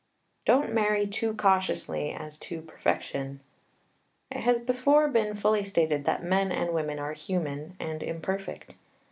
Don't marry too cautiously as to perfection. It has before been fully stated that men and women are human, and imperfect.